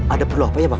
ada perlu apa ya bang